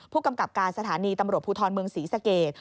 ผู้กำกับการสถานีตำรวจภูทรเมืองศรีสเกต